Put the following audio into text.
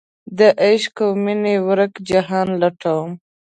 دعشق اومینې ورک جهان لټوم